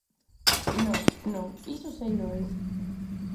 Non, non, iso seino eu.